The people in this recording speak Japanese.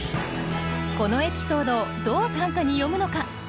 このエピソードをどう短歌に詠むのか。